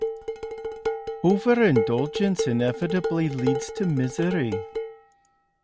Over-indulgence inevitably leads to misery.